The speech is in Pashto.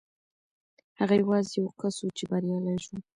هغه یوازې یو کس و چې بریالی شو.